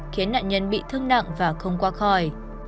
khiến nạn nhân bị thương nặng và không qua khỏi